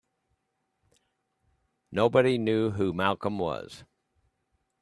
Nobody knew who Malcolm was.